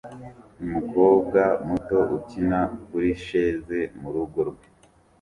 Umukobwa muto ukina kurisheze murugo rwe